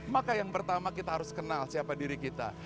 maka yang pertama kita harus kenal siapa diri kita